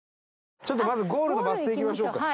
ちょっとまずゴールのバス停行きましょうか。